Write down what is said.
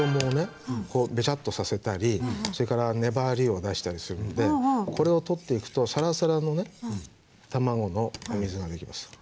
ベチャッとさせたりそれから粘りを出したりするのでこれを取っていくとサラサラのね卵のお水が出来ます。